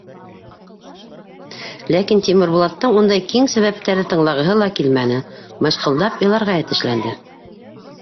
Ләкин Тимербулаттың ундай киң сәбәптәрҙе тыңлағыһы ла килмәне, мыжҡылдап иларға йәтешләнде.